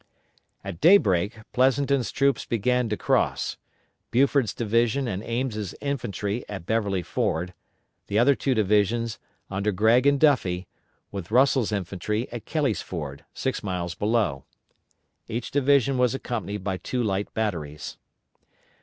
At daybreak Pleasonton's troops began to cross; Buford's division and Ames' infantry at Beverly Ford; the other two divisions, under Gregg and Duffie, with Russell's infantry at Kelly's Ford, six miles below. Each division was accompanied by two light batteries.